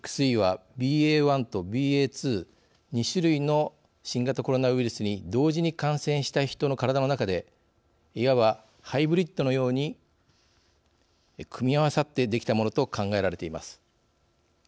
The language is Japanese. ＸＥはＢＡ．１とＢＡ．２２種類の新型コロナウイルスに同時に感染したヒトの体の中でいわばハイブリッドのように組み合わさって出来たものと考えられています。